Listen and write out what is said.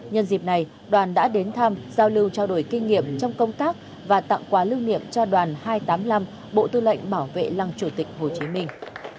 nhân dịp này đoàn đã đến thăm giao lưu trao đổi kinh nghiệm trong công tác và tặng quà lưu niệm cho đoàn hai trăm tám mươi năm bộ tư lệnh bảo vệ lăng chủ tịch hồ chí minh